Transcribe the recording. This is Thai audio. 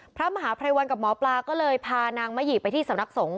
พระมหาภัยวันกับหมอปลาก็เลยพานางมะหี่ไปที่สำนักสงฆ